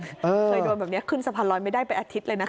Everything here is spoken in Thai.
เคยโดนแบบนี้ขึ้นสะพานลอยไม่ได้ไปอาทิตย์เลยนะ